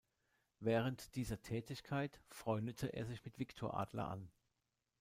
Während dieser Tätigkeit freundete er sich mit Victor Adler an.